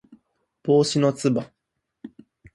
帽子のつば